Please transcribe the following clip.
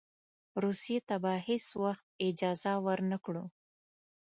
روسیې ته به هېڅ وخت اجازه ورنه کړو.